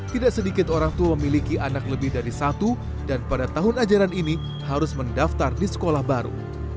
tidak sedikit orang tua memiliki anak lebih dari satu dan pada tahun ajaran ini harus mendaftar di sekolah baru